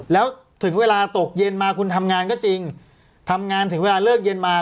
แล้วถึงเวลาตกเย็นมาคุณทำงานก็จริงทำงานถึงเวลาเลิกเย็นมา